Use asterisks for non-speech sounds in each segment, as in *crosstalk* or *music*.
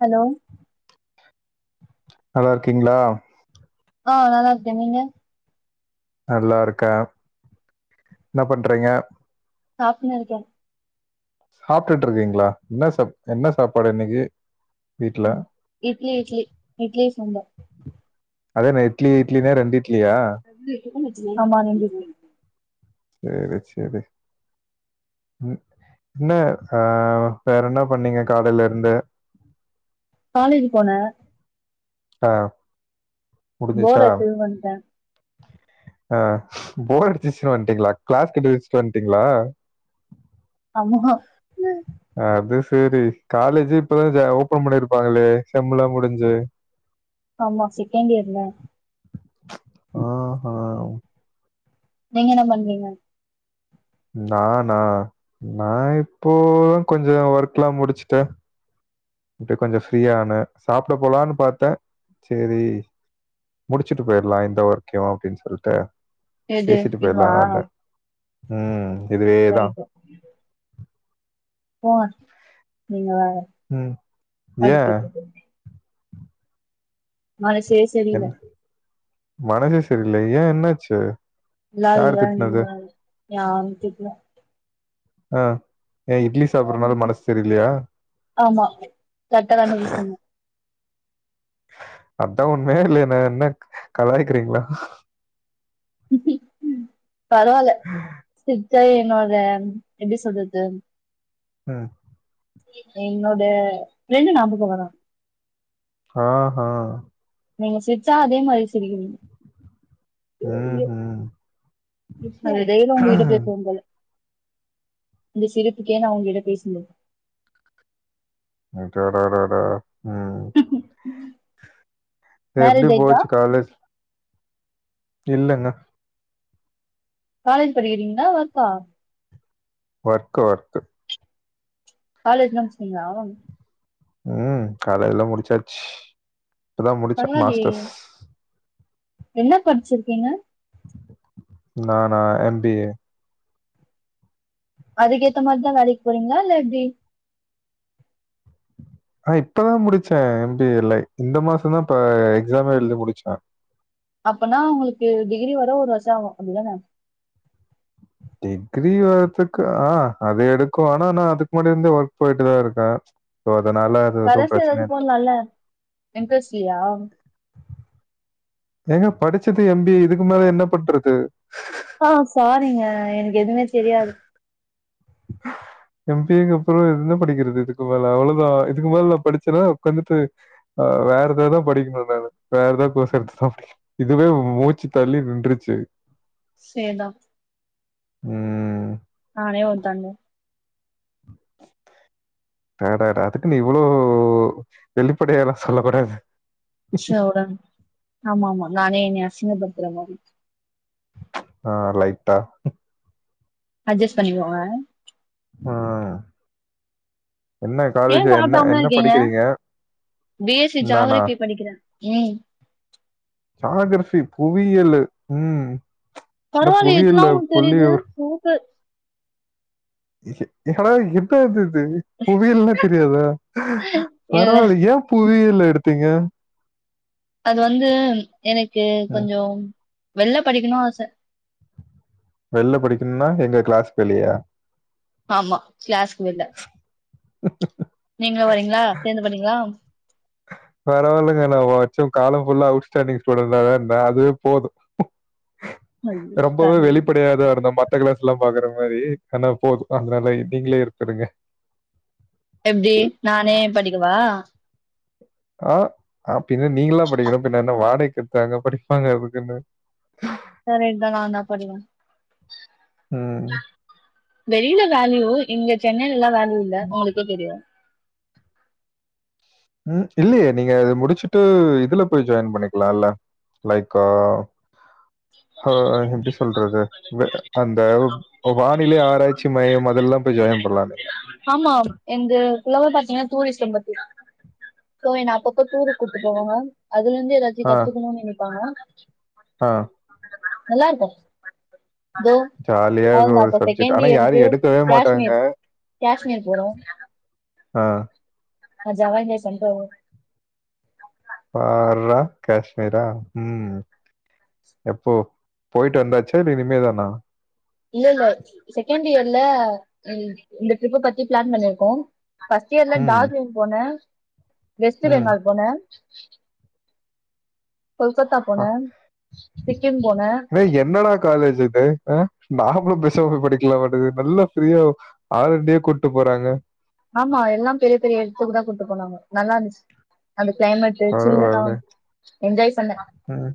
Hello நல்லா இருக்கீங்ளா அ நல்லா இருக்கே நீங்க நல்லா இருக்கே என்ன பண்றீங்க சாப்ன்னு இருக்கே சாப்ட்டுட்டு இருக்கீங்ளா என்ன சாப் என்ன சாப்பாடு இன்னிக்கி ம் இட்லி இட்லி இட்லி சாம்பார் அதென்ன இட்லி இட்லினா ரெண்டு இட்லியா ஆமா நீங்க செரி செரி என்ன ஆ வேற என்ன பண்ணீங்க காலேலருந்து காலேஜ் போனே ஆ போர் முடிஞ்சிச்சா அடிச்சதுன்னு வந்துட்டே ஆ போர் அடிச்சிச்சுன்னு வன்ட்டீங்ளா கிளாஸ் கட்டடிச்சிட்டு வன்ட்டீங்ளா அமுகோ அது சரி காலேஜி இப்பதா ஓபன் பண்ணிருப்பாங்களே செம்முளா முடிஞ்சி ஆமா செகண்ட் இயர்ல ஆ நீங்க என்ன பண்றீங்க நானா நா இப்போ கொஞ்சோ ஒர்க்ல்லா முடிச்சுட்டே ட்டு கொஞ்சோ ஃப்ரீயா ஆனே சாப்ட போலான்னு பாத்தே சேரி முடிச்சிட்டு பொய்ருலா இந்த ஒர்க்கையு அப்டின்னு சொல்ட்டு எது பேசிட்டு இதுவா பெய்ரான்னு வந்தே ம் இதுவேதா ரைட்டு போங்க நீங்க வேற ம் அதுக்கு ஏன் எதுக்கு மலஷேஸ் என் மனசே சரியில்லையா ஏ என்னாச்சு யாரு இல்லாதுதா நீங்க திட்டுனது? வேற யாரு திட்ல ஆ ஏ இட்லி சாப்பறதுனால மனசு சரியில்லையா ஆமா கரெக்டா கண்டுபுடிச்சிட்டீங்க அதா உண்மைய இல்லையா என்ன என்ன கலாயிக்கிறீங்களா பரவால்ல சிர்ச்ச என்னோட எப்டி சொல்றது ம் என்னோட பிரண்டு ஞாபக வரா ஆ ஹ நீங்க சிர்ச்சா அதே மாரி சிரிக்கிறீங்க ஐயோ ஐயோ ம்ஹ்ம். அ டெய்லி உங்க கிட்ட பேசுவோ போல இந்த சிரிப்புக்கே நா உங்க கிட்ட பேசுறது அட டா டா டா ம் *unintelligible* எப்டி மேரேஜ் ஆயிட்டா போச்சு காலேஜ் இல்லங்க காலேஜ் படிக்கிறீங்களா ஒர்க்கா ஒர்க்கு ஒர்க்கு காலேஜ்லா முடிச்சுடீங்ளா ம் காலேஜ்ல்லா முடிச்சாச்சு இப்பதா முடிச்சே பரவாயில்லயே மாஸ்டர்ஸ் என்ன படிச்சிருக்கீங்க நானா எம் பி ஏ அதுக்கேத்த மாரிதா வேலைக்கு போறீங்களா இல்ல எப்டி ஆ இப்பதா முடிச்சே எம் பி யே லை இந்த மாசோ தா பா எக்ஸாமே எழுதி முடிச்சே அப்பனா உங்களுக்கு டிகிரி வர ஒரு வருஷம் ஆகு அப்டிதான டிகிரி வர்ரதுக்கு ஆ அது எடுக்கும் ஆனா நா அதுக்கு முன்னாடி இருந்தே ஒர்க் போயிட்டுதா இருக்கே சோ அதனால அது எதுவு கரஸ்ல பிரச்சன ஏதாச்சு இல்ல போட்லால்ல இன்ட்ரஸ்ட் இல்லியா ஏங்க படிச்சது எ ம்பி ஏ இதுக்கு மேல என்ன பண்றது ஆ சாரீங்க எனக்கு எதுமே தெரியாது எம் பி ஏக்கு அப்புறொ என்ன படிக்கிறது இதுக்கு மேல அவ்ளோதா இதுக்கு மேல நா படிச்சேன்னா உட்காந்துட்டு வேற ஏதாதா படிக்கணூ நா வேற ஏதா கோர்ஸ் எடுத்துதா படிக்கணூ இதுவே மூச்சுத் தள்ளி நின்றுச்சு சேரிதா ம் நானே‌ ஒரு தண்டொ அடாடா அதுக்குன்னு இவ்வளோ வெளிப்படையால்லா சொல்லக் கூடாது ச்ச ஒடன் ஆமா ஆமா நானே என்ன அசிங்கப்படுத்துற மாரி ஆ லைட்டா அட்ஜஸ் பண்ணிக்கோங்க ஆ என்ன காலேஜ் ஏன் என்ன சாப்டாம என்ன இருக்கீங்க படிக்கறீங்க பி எஸ் சி ஜாக்ரஃபி படிக்கறே ம் ஜாக்ரஃபி புவியல் ம் என்ன பரவால்லயே இதுல்லா புவியியல்ல உங்களுக்குத் தெரியுது புள்ளிவிவர சூப்ப எட என்னதது புவியல்னா தெரியாதா இல்ல பரவாயில்லய புவியியல் எடுத்தீங்க அது வந்து எனக்கு ம். கொஞ்சம் வெள்ள படிக்கணூ ஆச வெளிள படிக்கணுன்னா எங்க கிளாஸ்க்கு வெளியா ஆமா கிளாஸ்க்கு வெளிள நீங்களூ வரீங்களா சேந்து படிக்கலா பரவால்லங்க ந வச்சும் காலம் ஃபுல்லா அவுட்ஸ்டாண்டிங் ஸ்டூடெண்ட்டாதா இருந்தே அதுவே போது ஐயோ, ரொம்பவே கடவுள் வெளிப்படையாதா இருந்தோ ம டக்கிளஸ்ல்ல பாக்கற மாரி ஆனா போது அதனால நீங்களே இருந்துருங்க எப்டி நானே படிக்கவா ஆ அப்டினா நீங்கள்லா படிக்கனு பின்ன என்ன வாடைக்கெடுத்தாங்க படிப்பாங்க அதுக்குன்னு கரெக்ட்தா ஆனா படிக்கணூ ம். வெளில வேலையோ இங்க சென்னைலல்லா வேல இல்ல உங்களுக்கே தெரியும் ம் இல்லையே நீங்க இது முடிச்சுட்டு இதுல போய் ஜாயின் பண்ணிக்கலால்ல லைக் அ எப்டி சொல்றது அந்த வானிலை ஆராய்ச்சி மையம் அதுலல்லா போய் ஜாயின் பண்ணலால ஆமா என்து லெவல் பாத்தீங்கன்னா டூரிஸம் பத்தி சோ என்ன அப்பப்ப டூருக்கு கூட்டு போவாங்க அதுல இருந்து ஏதாச்சும் ஆ, கத்துக்கணும்னு நெனைப்பாங்க ஆ நல்லாருக்கும் இதோ ஜாலியா அவளோ இருக்கும் தா. ஒரு அப்ப சப்ஜெக்ட். செகண்ட் ஆனா இயருக்கு யாரும் எடுக்கவே மாட்டாங்க. காஷ்மீர் காஷ்மீர் போறோ ஆ அ ஜவாஹே பண்ணிட்டு வருவ பார்ரா காஷ்மீரா ம் எப்போ போயிட்டு வந்தாச்சா இல்ல இனிமே தானா இல்ல இல்ல செகண்ட் இயர்ல இந்த ட்ரிப் பத்தி பிளான் பண்ணிருக்கோ ஃபஸ்ட் ஃபர்ஸ்ட் இயர்ல ம், டார்ஜ்லிங் போனே வெஸ்ட் ம். பெங்கால் போனே கொல்கத்தா போனே சிக்கிம் போன வேய் என்னடா காலேஜ் இது அ நாமளு பேஸ்சாம போய் படிக்கலாமாட்டங்கு நல்லா ஃபிரீயா ஆள் இண்டிய கூட்டு போறாங்க ஆமா எல்லா பெரிய பெரிய எடத்துக்குதா கூட்டு போனாங்க நல்லா இருந்துச் அந்த கிளைமெட்டு சில்லுனா பரவாயில்ல என்ஜாய் பண்ண ம்,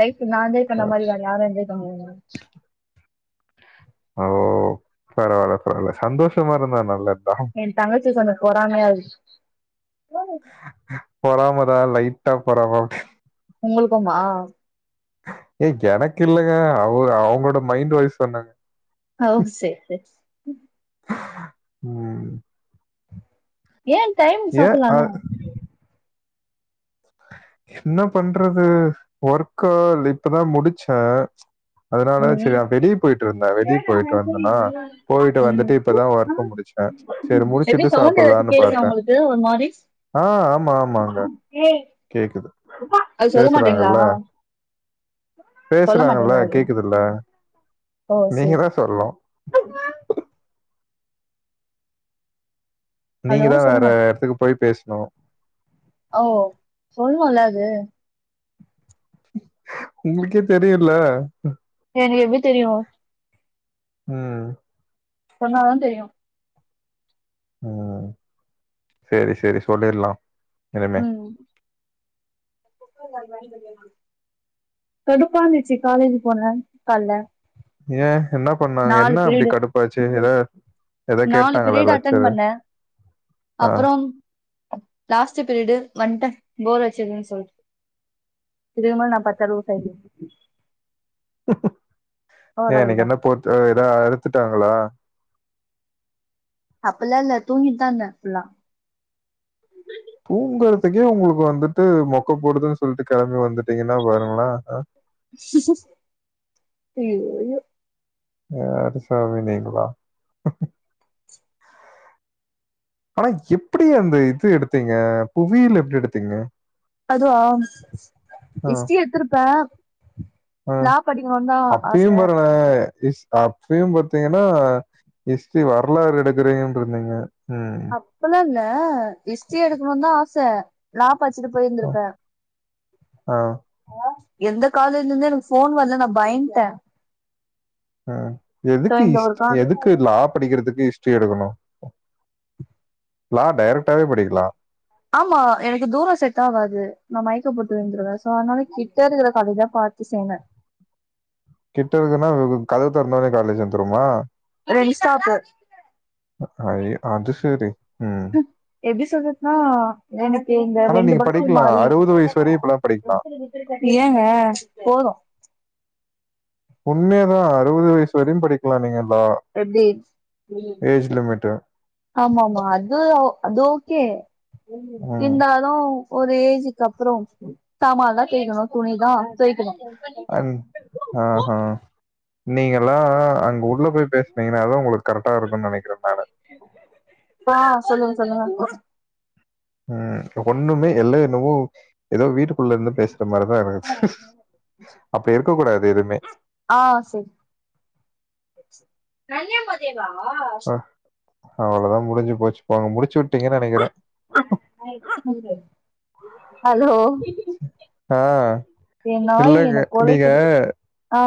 லைஃப் நா என்ஜாய் பர- மாரி வேற யாரு என்ஜாய் பண்ண முடியுமா ஓ பரவால்ல பரவால சந்தோஷமா இருந்தா நல்லதா ஏ தங்கச்சி கொஞ்சோ பொறாமையா இருக் பொறாமதா லைட்டா பொறாம்ம உங்ளுக்குமா ஏ எனக்கு இல்லங்க அவ அவங்ளோட மைண்ட் வாய்ஸ் சொன்னா ஓ சேர் சே ம் ஏ டைம்க் ஏன் சாப்பிலா இல்ல அ- என்ன பண்றது ஒர்க்கால் இப்பதா முடிச்சே அதனால ம் சேரி நா வெளிய போயிட்டு இருந்த வெளியே போயிட்டு வந்தன்னா போயிட்டு ம் வந்துட்டு இப்பதா ஒர்க்கு முடிச்ச அ சேரி எப்டி முடிச்சிட்டு சவுண்ட் ஏதாச்சு சாப்பிலானு கேக்குதா பாத்த உங்களுக்கு ஒரு ஆ ஆமா ஆமாங்க ஏய் கேக்குது அது சொல்லமாட்டீங்களா பேசுறாங்கல்ல பேசுறாங்கல்ல சொல்லமாட்டீங்களா அது ஓ சேரி சொருல்லு *inaudible* நீங்க ஹலோ தா வேற சொல்லுங்க எடத்துக்கு போய் பேஸ்னு ஓ சொல்லுனு இல்ல அது உங்ளுக்கே தெரியில்ல எனக் எப்பி தெரியு ம் சொன்னாதா தெரியு ம் சேரி சேரி சொல்லிர்லா ம் கடுப்பாந்துச்சு காலேஜ் போனேன கால்ல ஏன் என்ன பண்ணாங்க நாலு என்ன அப்டி பீரியடு கடுப்பாச்சு எத நாலு பீரியட் அட்டன் பண்ணே ஆ. அப்புறம் லாஸ்ட் பிரிடு வண்ட போர் அச்சதுன் சொல் இதுக்கு மேல நா பாத்த லூசாய்ட் ஏ இன்னிக்கு ஓரளவுதா என்ன போர்ட்டு ஏதா அறுத்துட்டாங்களா அப்பில்லா இல்ல தூங்கித்தாந்த ஃபுல்லா தூங்கறதுக்கே உங்களுக்கு வந்துட்டு மொக்க போடுதுன்னு சொல்ட்டு கெளம்பி வந்துட்டீங்கன்னா பாருங்கள அ ஐயோ ஐயோ யார் சாமி நீங்களா ஆனா எப்பிடி அந்த இது எடுத்தீங்க புவியில் எப்டி எடுத்தீங்க அதுவா ஆ. ஹிஸ்ட்ரி எத்துருப்ப ஆ ஆச அப்பியு பாருங்களே ஸ் அப்பியு பாத்தீங்கன்னா ஹிஸ்ட்ரி வரலாறு எடுக்கிறிங்டிரிந்தீங்க ம் அப்பலா இல்ல ஹிஸ்டரி எடுக்கணு தா ஆச லா படிச்சிட்டு அ, போயிருந்திருப்பேன் ஆ, எந்த காலேஜ்ல இருந்தே எனக்கு ஃபோன் வர்ல நா பயுந்ட்டேன் அ சோ எதுக்கு இந்த ஒரு இஸ்ட் கா எதுக்கு லா படிக்கிறதுக்கு ஹிஸ்ட்ரி எடுக்கனும் லா டைரக்டாவே படிக்கலாம் ஆமா எனக்கு தூரம் செட்டா ஆவாது நா மயக்க போட்டு விழுந்துருவேன் சோ அதனால கிட்ட இருக்கிற காலேஜ்தான் ப டிச்சேங்க கிட்ட இருக்குன்னா கதவு தொறந்தாலே காலேஜ் வந்துருமா ரெண்டு ஸ்டாப்பு ஐயோ! அது சரி. ம் எப்டி சொல்றதுனா எனக்கு இந்த ஆனா ரெண்டு நீங்க பஸும் படிக்கலாம். மாறி வயசு வரையும் இப்பலாம் படிக்கலாம். ஏங்க போதும் உண்மையாதான் அறுவது வயசு வரையும் படிக்கலாம் நீங்க லா எப்டி ம் ஏஜ் லிமிட்டு ஆமா ஆமா அது அது ஓகே ம். இருந்தா லும் ஒரு ஏஜ்க்கு அப்புறோ சாமால தான் தேய்க்கணும் துணிதான் தோய்க்கணும் அன் ஆஹ்ஹ நீங்கலா அங்க உள்ள போய் பேஸ்னீங்கன்னா தா ஒங்ளுக்கு கரெக்டா இருக்கும்னு நெனைக்கற ஃபேனு ஆ சொல்லுங்க சொல்லுங்க ம் ஒன்னுமே எல்ல என்னமோ ஏதோ வீடு குள்ள இருந்து பேசுற மாரிதான் இருக்குது அப்டி இருக்கக் கூடாது எதுமே ஆ செரி அவ்ளோ தான் முடிஞ்சு போச்சு போங்க முடிச்சு விட்டீங்கன்னு நெனைக்கிறேன் ஹலோ ஆ என் நாய் சொல்லுங்க எனக்கு நீங்க கொலைக்குது ஆ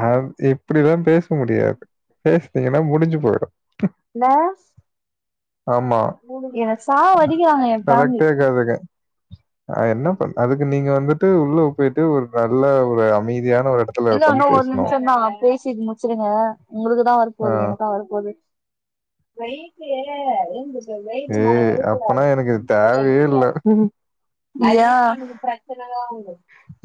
அ இப்படில்லாம் பேச முடியாது பேஸ்னீங்கன்னா முடிஞ்சு போயிரும் ந ஆமா என்ன சாவடிக்கிறாங்க என் ஃபேமிலி அதுக அதுக அ என்ன பண் அதுக்கு நீங் க வந்துட்டு உள்ள போயிட்டு ஒரு நல்ல ஒரு அமைதியான ஒரு எடத் இல்ல இன்னும் ஒரு நிமிஷம் தான் பேசி முடிச்சுருங்க உங்ளுக்கு தான் வர ஆ போது ம். எனக்கா வரப்போது *inaudible* நைட்டு *unintelligible* ஏ வெய்ட்டு மேல ஏய்! விழக் அப்பனா கூடாது எனக்கு இது அப்டிதா தேவையே சொன்னிங்க இல்ல. ஹலோ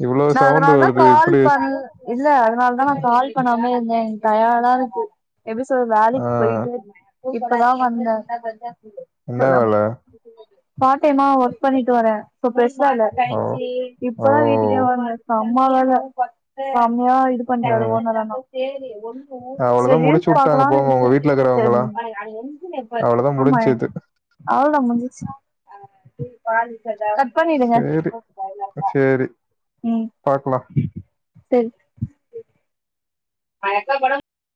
இவ்ளோ நா சவுண்டு அதனால தா வருது கால் இப்டி பண் இல்ல அதனால தா நா கால் பண்ணாமே இருந்தே எனக் டயடா இருக்கு எப்டி சொல்து ஆ வேலைக்கு போயிட்டு இப்பதா வந்த என்ன ஹலோ வேல பார்ட் டைமா ஒர்க் பண்ணிட்டு வர இப்ப பேசாத ஓ ஓ இப்பதான் வீட்டுக்கே வர இப்ப அம்மா வேற செம்மையா இது பண்டாரு ம் ஓனர் அண்ணா செரி ஒன் அவ்ளோதா செரி ரீல்ஸ் முடிச்சு வுட்டாங்க பாக்கலாம் போங்க உங்க நேனச்சே வீட்ல செ இருக்கிறவங்கலா அவ்ளோதா ஆமா ய முடிஞ்சுது அவ்ளோதா முஞ்சிச்சு கட் கட் பண்ணிடுங்க சேரி ம் பாக்லா செரி ந எங்க போனா